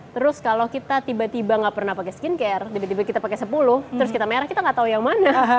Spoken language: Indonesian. terus kalau kita tiba tiba nggak pernah pakai skincare tiba tiba kita pakai sepuluh terus kita merah kita nggak tahu yang mana